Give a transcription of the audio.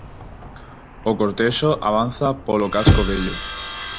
O cortexo avanza polo casco vello.